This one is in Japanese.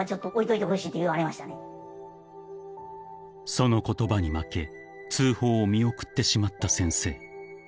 ［その言葉に負け通報を見送ってしまった先生］